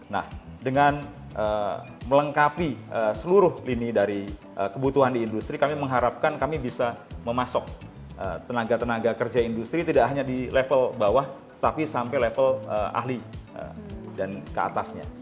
nah dengan melengkapi seluruh lini dari kebutuhan di industri kami mengharapkan kami bisa memasok tenaga tenaga kerja industri tidak hanya di level bawah tapi sampai level ahli dan keatasnya